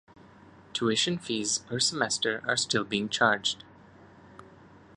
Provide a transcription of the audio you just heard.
Tuition fees per semester are still being charged.